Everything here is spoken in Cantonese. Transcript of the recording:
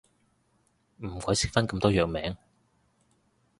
唔鬼識分咁多藥名